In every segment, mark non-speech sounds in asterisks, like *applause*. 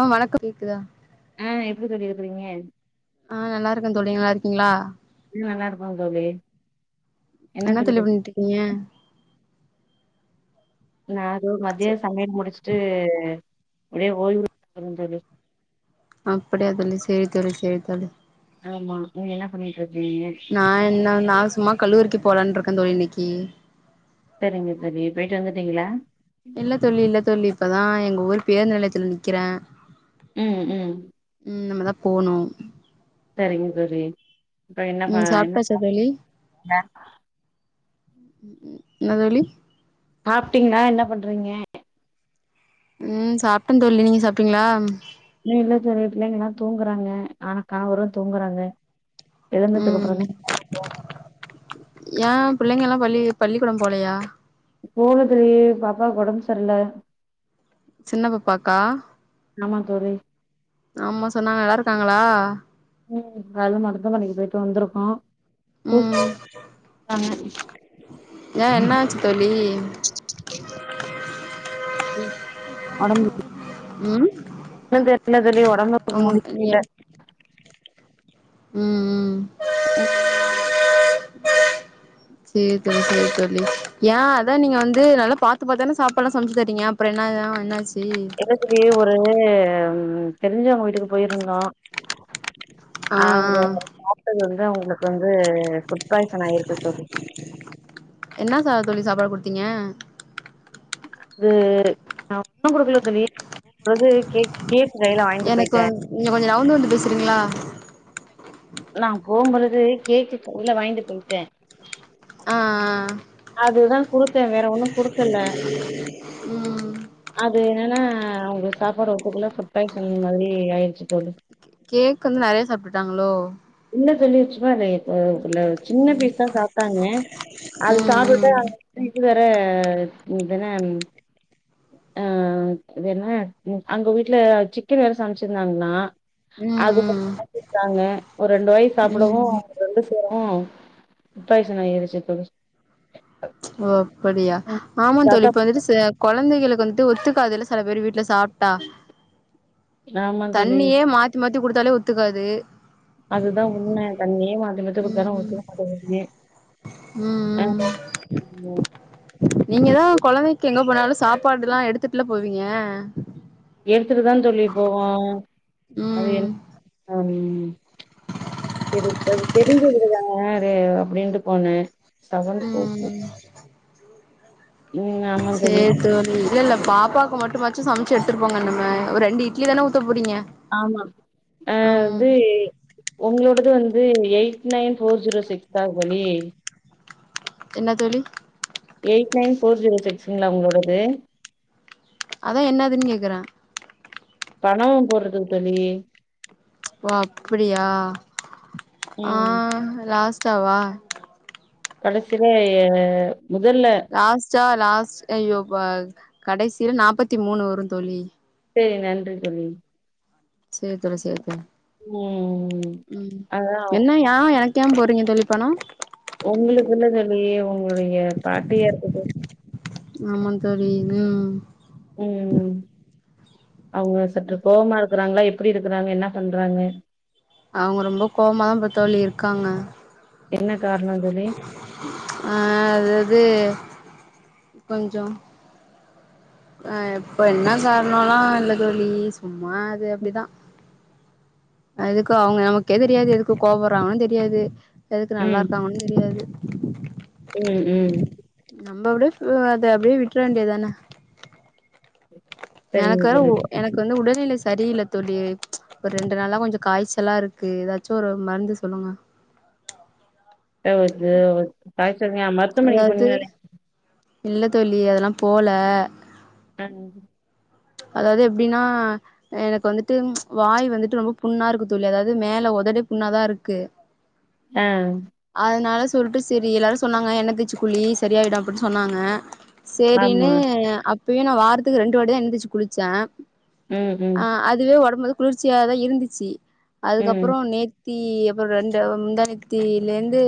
ஆ வணக்கம் கேக்குதா ஆ எப்டி தோழி இருக்குறீங்க? ஆ நல்லாருக்க தோழி நல்லாருக்கீங்களா? நல்லாருக்கோ தோழி என்ன தோழி பண்ணிட்ருக்கீங்க? நா தோ மதிய சமையல் முடுச்ட்டு ஒரே ஓய்வு *unintelligible* தோழி அப்புடியா தோழி செரி தோழி செரிதோழி ஆமா நீங்க என்ன சமயல் நா என்ன நா சும்மா கல்லூரிக்கு போலான்ருக் கந் தோழி இன்னக்கி சரிங்க தோழி போயிட்டு வந்துட்டீங்களா? இல்ல தோழி இல்ல தோழி இப்பதா எங்க ஒவ்வொரு பேர் நிலயத்துல நிக்கிறே ம் ம் இன்னமதா போனு சரிங்க தோழி இப்ப என்ன பா ம் என்ன சாப்ட்டாச்சா பா *unintelligible* உம் என்ன தோழி சாப்டீங்ளா என்ன பண்றீங்க உம் சாப்டேன் தோழி நீங்க சாப்டீங்ளா இல்ல தோழி பிள்ளைங்களு தூங்குறாங்க ஆ கணவரு தூங்குறாங்க எழுந்ததுக்கு உம் அப்புறந்தா ஏப் பிள்ளைங்க எல்லா பள்ளி பள்ளிக்கூடம் போலையா போல தோழி பாப்பாக்கு ஒடம்பு சரியில்ல சின்னப்பப்பாக்கா ஆமா தோழி ஆமா சொன்னாங்க எல்லா இருக்காங்க ங்களா உம் அது மருத மலைக்கு போயிட்டு வந்துருக்கோ *unintelligible* ஆமா ஏன் என்னாச்சு தோழி உடம்புக்கு உம் தெரியல தோழி தொட முய்ச்சி *unintelligible* ல உம் உம் உம் சேரி தோழி சேரி தோழி ஏ அதா நீங்க வந்து நல்லா பாத்து பாத்து தானே சாப்பாடு எல்லா சமச்சு தரீங்க அப்ற என்னதா என்னாச்சு இல்ல தோழி ஒரு தெரிஞ்சவுங்க வீட்டுக்கு போயிருந்தோ ஆ அங்க ஆ சாப்டது வந்து அவுங்களுக்கு வந்து புட் பாய்சன் ஆயிருக்கு தோழி என்ன தோழி சாப்பாடு குடுத்தீங்க அது நா ஒண்ணு குடுக்கல தோழி பொது கேக் கைல வாங்கிட்டு எனக்கு போயிட்டே வந் நீங்க கொஞ்ச நவுந்து வந்து பேசுறீங்களா நா போகும் பொழுதே கேக்கு எல்லா வாங்கிட்டு போயிட்டே ஆ ஆ ஆ இல்லேனா குடுத்தே வேற ஒன்னு குடுக்கல அது ம் அது என்னன்னா அவுங்க சாப்பாடு ஒத்துக்கல ஃபுட் பாய்சன் மாரி ஆயிடுச்சு தோழி கேக் வந்து நெறய சாப்ட்டுடுட்டாங்களோ சொல்ல சொல்லிருச்சும்மா *unintelligible* இதுல சின்ன பீஸ்தா சாப்படாங்க அது சாப்புட்டு ம் *unintelligible* தே அது என்னா அ இது என்ன அங்க வீட்ல சிக்கன் வேற சமச்சிருந்தாங்களா ம் ம் ஆகுபக்காங்க ஒரு ரெண்டு வாயி ம் சாப்புடவு ம் *inaudible* ஓ பாயாசோன் நெனைக்கிற செக் பண்ணு ஓ அப்புடியா ஆமாந் தோழி தாத்தா இப்ப வந்துட்டு செ கொழந்தைகளுக்கு வந் த்து ஒத்துக்காதுல்ல சில பேரு வீட்ல சாப்டா ஆமா தோழி தண்ணியே மாத்தி மாத்தி தி குடுத்தாலே ஒத்துக்காது அதுதா உண்ம தண்ணியே மா மாத்தி மாத்தி குடுத்தாலு ம் ஒத்துக்காது ம் ம் *inaudible* சாப்பாடு எல்லா எடுத்துட்டுல்ல போவீங்க ஏ எடுத்துட்டுதாந் தோழி போவோ அது ம் என் சேரி தெருஞ்ச வீடுதான அது அப்டின்ட்டு போன *inaudible* ம் சேரி தோழி இல்ல இல்ல பாப்பாக்கு மட்டுமாச் சு சமச்சு எடுத்துட்டு போங்க அந்த மார் ஒரு ரெண்டு இட்லி தான உத்தப் ஆமா ஆ வந்து உங்களோடது one eight nine four zero six தானங்க தோழி என்ன தோழி எயிட் நைன் ஃபோர் ஜீரோ சிக்ஸுங்களா உங்களோடது அதா என்னதுன் கேக்குற பணம் போடுறதுக்கு தோழி ஓ அப்புடியா ஆ ம் லாஸ்ட் டாவா கடைசில ஏ முதல்ல லாஸ்ட்டா லாஸ்ட் ஐயோ கடைசியில நாப்பத்தி மூணு வருந் தோழி சேரி நன்றி தோழி சேர் தோழி சேரி தோழி ம் ம் அதா என்ன யா எனக் ஏன் போறீங்க தோழி பணோ உங்களுக்குள்ள தில்லையே உங் இவங்க பாட்டியாருக்கப்போ ஆமாங் தோழி இது ம் ம் அவங்க சற்று கோவமா இருக்குறாங்களா எப் எப்படி இருக்கறாங்க என்ன பண்றாங்க அவுங்க ரொம்ப கோவமாதா ப தோழி இருக்காங்க என்ன காரணோ தோழி ஆ அதாவது கொஞ்சோ ஆ இப்ப என்ன காரணல்லாம் இல்ல தோழி சும் மா அது அப்டிதான் அதுக்கு அவுங்க நமக்கே தெரியாது எதுக்கு கோபடறாங்கனு தெரியாது எதுக்கு நல்லா ம் இருக்காங்கன்னு தெரியாது ம் ம் நம்ப அப்டே பல அத அப்டே விட்ற வேண்டிய தான எனக்கு சரிங்க வேற ஒ தோழி எனக்கு வந்து உடல்நிலை சரியில்ல தோழி ஒரு ரெண்டு நாளா கொஞ்சம் காய்ச்சலா இருக்கு எதாச்சும் ஒரு மருந்து சொல்லுங்க த வத்து வத் தாய் சொன்னியா மருத்துவமனைக்கு அதாவது போனீங்களா இல்லயா இல்ல தோழி அதெல்லாம் போல ம் அதாவது எப்டின்னா எனக்கு வந்துட்டு வாய் வந்துட்டு ரொம்ப புண்ணா இருக்கு தோழி அதாவது மேல ஒதடு புண்ணாதான் இருக்கு ஆ அதனால சொல்ட்டு செரி எல்லாரும் சொன்னாங்க எண்ண தேச்சி குளி சரியாயிடும் அப்டி சொன்னாங்க ஆமா சேரினு அப் இப்பயு நா வாரத்துக்கு ரெண்டு வாட்டி தான் எண்ண தேச்சி குளிச்சன் ம் ம் ஆ அதுவே ஒடம்பு குளிர்ச்சியாதா இருந்துச்சு ம் அதுக்கப்புறம் நேத் த்தி அப்புறம் ரெண்டு முந்தா நேத்திலேருந்து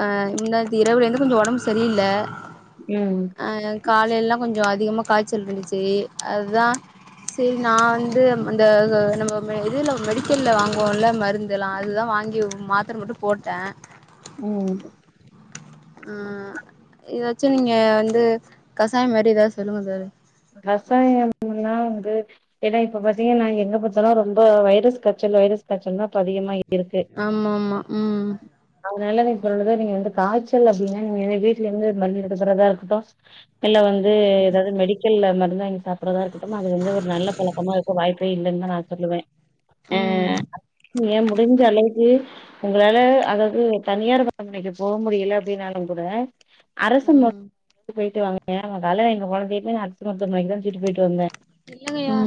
ஆ முந்தாநேத்தி இரவுலந்து கொஞ்சம் ஒடம்பு சரியில்ல ம் அ கால்ல எல்லா கொஞ்சோ அதிகமா காய்ச்சல் இருந்துச்சு அதா சேரி நா வந்து அந்த நம்ம மே இதுல மெடிக்கல்ல வாங்குவோல்ல மருந்து எல்லா அதுதா வாங்கி மாத்துர மட்டு போட்ட ம் ம் இத ச்ச நீங்க வந்து கசாயம் மாரி எதாவது சொல்லுங்க தோழி *unintelligible* வந்து ஏன்னா இப்ப பாத்தீங்கன்னா எங்க பாத்தாலு ரொம்ப வைரஸ் காச்சல் வைரஸ் காச்சல் தா அதிகமாயி ஆமா ஆமா ம் *unintelligible* இந்த காச்சல் அப்டின்ன நீங்க *unintelligible* இருக்கட்டு இல்ல வந்து எதாவது மெடிக் இல்ல அது மட்டுந்தா இங்க சாப்புற மார் இருக்கு ட்டுமா அது வந்து ஒரு நல்ல பழக்கமா இருக்கு வாய்ப்பே இல்லன் நா சொல்லுவ அ ம் ஏ முடிஞ்ச அளவுக்கு உங்களால அதாவது தனியார் மருத்துவமனைக்கு போக முடியில அப்டின்னாலும் கூட அரசு ம் மருத் போயிட் *unintelligible* கால எங்க கொழந்தைக்கு அதுஸ் பத்து மணிக்குதா தூக்கிட்டு போயிட்டு வந்த இல்லங்கயா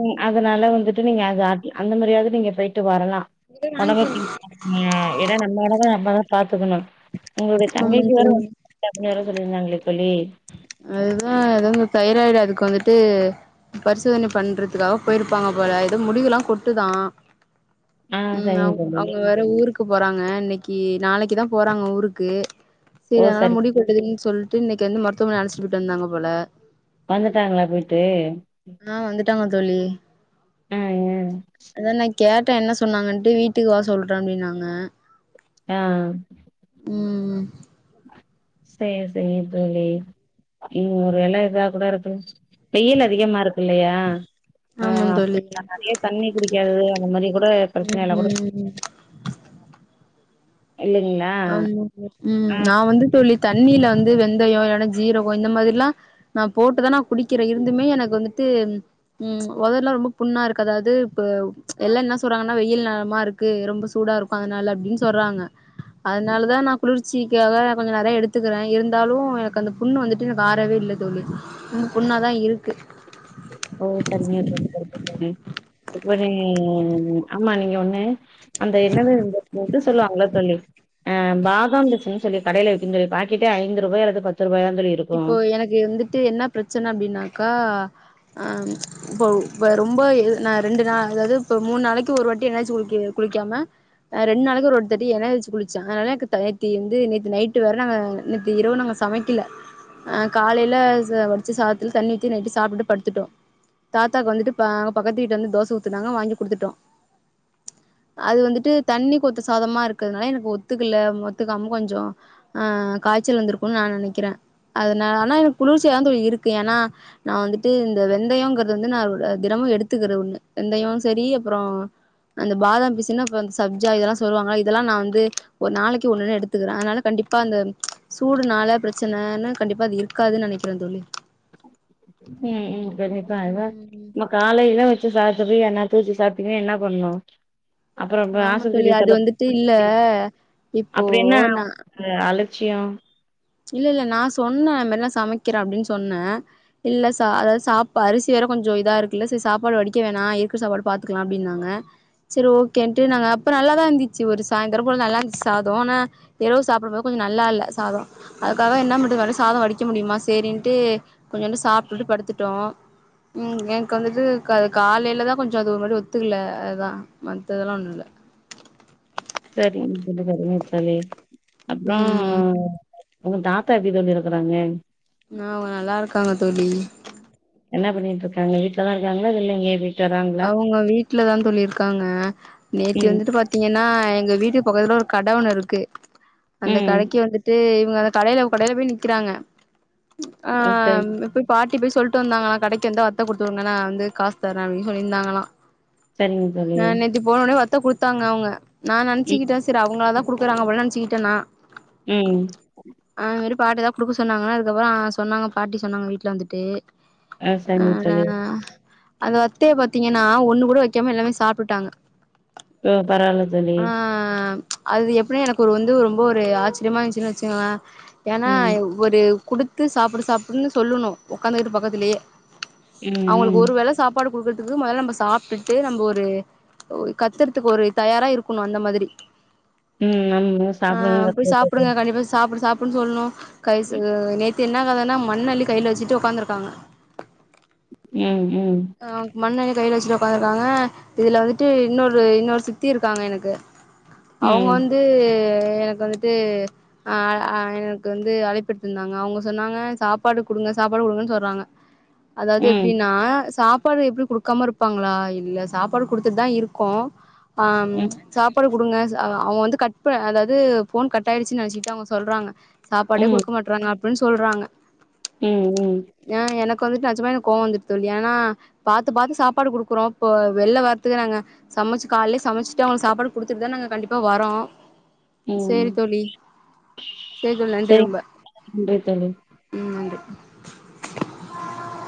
ம் அதனால வந்துட்டு நீங்க அது ஆட்டி அந்த மாரியாவது நீங்க போயிட்டு வரலா நீங்களே ஒடம்ப வாங்கிக்கோங்க *inaudible* எதோ நம்ம ஒடம்ப நம்மதா பாத்துக்கணும் உங்களுடைய ஆமாங்க தங்கைக்கு வேரு தோழி *unintelligible* சொல்லியிருந்தாங்களே தோழி அதுதா எதாவது தைராய்டு அதுக்கு வந்துட்டு பரிசோதனை பண்றதுக்காக போயிருப்பாங்க போல எதோ முடியெல்லா கொட்டுதா ஆ ம் அவ சரிங்க தோழி. அவங்க வேற ஊருக்கு போறாங்க இன்னிக்கி நாளைக்கிதா போறாங்க ஊருக்கு ஓ சேரி அதனால சரி. முடி கொட்டுதுன் சொல்ட் டு இன்னிக்கி வந்து மொரத் த்துன் நெனச்சுகிட்டு இருந்தாங்க போல வந்துட்டாங்களா போயிட்டு ஆ வந்துட்டாங்க தோழி ஆ, ஆ. அத நை கேட்ட என்ன சொன்னாங்கன்ட்டு வீட்டுக்கு வர சொல்ற அப்டின்னாங்க ஆ ம் ம் சேரி சேரி தோழி இங்க ஒரு வேல இதா கூடா இருக்கலா வெயில் அதிகமா இருக்கு இல்லையா ஆமா ஆஹ் தோழி அப்ப நெறைய தண்ணி குடிக்காது அந்த மாதிரி கூட பிரச்சனை ம் எல்லா கூட ம் இல்லைங்களா? ஆமா ம் ஆ. நா வந்து தோழி தண்ணில வந்து வெந்தயம் இல்ன்னா ஜீரகம் இந்த மாதிரி எல்லா நா போட்டுதா நா குடிக்கிற இருந்துமே எனக்கு வந்துட்டு ம் உதடுல்லா ரொம்ப புண்ணா இருக்கு அதாவது இப்ப எல்லா என்ன சொல்றாங்கன்னா வெயில் நலமா இருக்கு ரொம்ப சூடா இருக்கு அதனால அப்படின்னு சொல்றாங்க அதனாலதா நா குளிர் கட்சிக்காக கொஞ்ச நெறைய எடுத்துக்கிறே இருந்தாலும் எனக்கு அந்த புண்ணு வந்துட்டு எனக்கு ஆரவே இல்ல தோழி இன்னு புண்ணாதா இருக்கு ஓ சரிங்க தோழி சரிங்க தோழி இப்ப நீ ஆமா நீங்க ஒண்ணு அந்த என்னது *unintelligible* இது சொல்லுவாங்கள தோழி ஆ பாதாம் பிசின்னு சொல்லி கடைல விக்கிம் தோழி பாக்கெட் ஐந்து ரூபாய் அல்லது பத் இப்போ எனக்கு வந்துட்டு என்ன பிரச்சன அப்படின்னாக்கா ஆ இப்போ இப்ப ரொம்ப நா ரெண்டு நாள் அதாவது இப்ப மூணு நாளக்கி ஒரு வாட்டி என்னாச்சு குளி குளிக்காம ஆ ரெண்டு நாளக்கி ஒருத்தட்டி எனச்சு குளிச்சே அதனால எனக்கு நேத்தி வந்து நேத்தி நைட்டு வேற நாங்க நேத்த இரவு நாங்க சமைக்கல அ காலையில வடிச்சி சாதத்துல தண்ணி ஊத்தி நைட்டு சாப்பிட்டு படுத்துட்டோ தாத்தாக்கு வந்துட்டு அங்க பக்கத்துக்கட்டு வந்து தோசை ஊத்துனாங்க வாங்கி குடுத்துட்டோ அது வந்துட்டு தண்ணி கொத்த சாதமா இருக்கிறதுதுனால எனக்கு ஒத்துக்கல ஒத்துக்காம கொஞ்ச ஆ காய்ச்சல் வந்திருக்கும்ன்னனு நா நினைக்கிறே அதனால ஆனா எனக்கு குளிர்ச்சியாவ இருக்கு ஏன்னா நா வந்துட்டு இந்த வெந்தயம்ங்கிறது வந்து நா தினமும் எடுத்துக்கற ஒண்ணு வெந்தயம் சேரி அப்புறம் அந்த பாதாம் பீசுன்னு அப்புறம் அந்த சப்ஜா இதெல்லா சொல்லுவாங்களா இதெல்லா நா வந்து ஒரு நாளைக்கு ஒண்ணுன்னு எடுத்துக்கிறே அதனால கண்டிப்பா அந்த சூடுனால பிரச்சனைன்னு கண்டிப்பா அது இருக்காதுன்னு நினைக்கிறே தோழி ம் ம் கண்டிப்பா அத ம் நம்ம காலைலே வச்சு சாப் இப்பவே என்ன தூக்கி சாப்பீங்க என்ன பண்ணு அப்புறோ ஆமா தோழி ஆஸ்பத்திரி அது செலவு வந்துட்டு இல்ல இப்போ நா அச்சியா இல்ல இல்ல நா சொன்னே வேணும்னா சமைக்கிறே அப்படின்னு சொன்னே இல்லல சா அதாவது சாப்ப அரிசி வேற கொஞ்ச இதா இருக்குல்ல சரி சாப்பாடு வடிக்க வேணா இருக்கிற சாப்பாடு பாாரத்துக்கலாஅப்படின்னாங்க சேரி ஓகேன்ட்டு நாங்க அப்பற நல்லாதான் இருந்துச்சு ஒரு சா இந்தடவை போல நல்லா இருந்துச்சு சாதம ஆனா இரவு சாப்பிடும் போது கொஞ்சம் நல்லா இல்ல சாதம் அதுக்காக என்ன பன்றது வேற சாதமவேடிக்க முடியுமா சரின்ட்டு கொஞ்சோண்டு சாப்பிட்டுட்டு படுத்துட்டோ உம் எனக்கு வந்துட்டு கா காலையிலதா கொஞ்ச அது ஒரு மாரி ஒத்துக்கல அதுதா மத்த இதெல்லா ஒண்ணு இல்ல சேரிங் *unintelligible* தோழி அப்புறோ ம் உங்க தாத்தா எப்படி சொல்லி இருக்கறாங்க ஆ அவங்க நல்லா இருக்காங்க தோழி என்ன பண்ணிட்டு இருக்காங்க வீட்டுலதா இருக்காங்களாவெளிலே எங்கய போயிட் அவங்கவங்க வீட் வீட்டுலதா தோழியிருக்காங்க நேத்தி ம் வந்துட்டு பாத்தீங்கன்னா எங்க வீட்டு பக்கத்துல ஒரு கட ஒன்னு இருக்கு அந்த ம் கடக்கி வந்துட்டு அங்க அந்த கடைல கடைல போய் நிக்கிறாங்க ஆ ம் சரிங்க அ போய் பாட்டி போய் சொல் ட்டு வந்தாங்கன்னா கடைக்கு வந்தா வத்த குடுத்து விடுங்க நா வந்து காசு தரே அப்டி சொல்லிருந்தாங்களா சரிங்க நா தோழி நேத்தி போன உட்னே வத்த குடுத் தாங்க அவங்க நா ம் நெனச்சிக்கிட்டே செரி அவங்களாதா குடுக்குறங்க போலன்னு நெனச்சுக்கிட்டே நா ம் அது மாரி பாட்டிதா குடுக்க சொன்னாங்கன்னு அதுக்கப்புறோ ஆ சொன்னாங்க பாட்டி சொன்னாங்க வீட்ல வந்துட்டு ஆ சரிங்க தோழி அது பாத் ட்டய பாத்தீங்கன்னா ஒண்ணு கூட வைக்காம எல்லாமே சாப்புட்டாங்க ஓ பரவால்ல தோழி அது எப்டினா எனக்கு ஒரு வந்து ஒரு ரொம்ப ஒரு ஆச்சரியமா இருந்துச்சுன்னு வச்சுக்ங்ளே ஏன்னா ம் ஒரு குடுத்து சாப்புடு சாப்புடுன்னு சொல்லணு உக்காந்துக்கிட்டு பக்கத்துலயே ம் ம் அவுங்களுக்கு ஒரு வேள சாப் ப்பாடு குடுக்கறதுக்கு மொதல்ல நம்ப சாப்ட்டுட்டு நம்போ ஒரு ஒரு கத்துறதுக்கு ஒரு தயாரா இருக்கணு அந்த மாதிரி ம் *inaudible* புடுன்னு சொல்ணு கைஸ் தோழி அது நேத் சின்னவ எதன்னா மண்ணள்ளி கைல வச்சுட்டு உக்காந்துருக்காங்க ம் ம் ஆ மண்ணள்ளி கைல வச்சுட்டு உக்காந்துருக்காங்க இதுல வந்துட்டு இன்னொரு இன்னொரு சி்த்தி இருக்காங்க எனக்கு அவுங்க ம் வந்து எனக்கு வந்துட்டு ஆ ஆ எனக்கு வந்து அழைப்பு விடுத்திருந்தாங்க அவுங்க சொன்னாங்க சாப்பாடு குடுங்க சாப்பாடு குடுங்கன்னு சொல்றாங்க அதாவது ம் எப்டின்னா சாப் சாப்பாடு எப்டி குடுக்காம இருப்பாங்களா இல்ல சாப்பாடு குடுத்துட்டுதா இருக்கோ ஆ ம் ம் சாப்பாடு குடுங்க அவுங்க வந்து கட்ப அதாவது போன் கட் ஆயிடுச்சுன்னு நினைச்சிட்டு அவுங்க சொல்றாங்க சாப்பாடே ம் குடுக்கமாட்றாங்க அப் அப்படின்னு சொல்றாங்க ம் ம் ஏ எனக்கு வந்துட்டு நச்சமா எனக்கு கோவோ வந்துட்டு ஏன்னா பாத்து பாத்து சாப்பாடு குடுக்குறோ இப்போ வெள்ல வரறத்துக்கு நாங்க சமச்சு காலையயே சமச்சுட்டு அவுங்களுக்கு சாப்பாடு குடுத்துட்டுதா நாங்க கண்டிப்பா வரோ ம் சேரி தோழி சேரி தோழி நன்றி சரிங்க ரொம்ப நன்றி தோழி ம் நன்றி *inaudible*